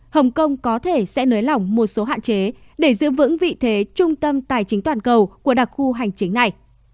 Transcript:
hồng kông có thể sẽ nới lỏng một số hạn chế để giữ vững vị thế trung tâm tài chính toàn cầu của đặc khu hành chính này